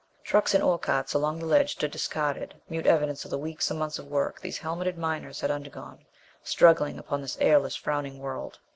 Trucks and ore carts along the ledge stood discarded, mute evidence of the weeks and months of work these helmeted miners had undergone, struggling upon this airless, frowning world.